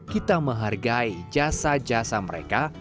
kita menghargai jasa jasa mereka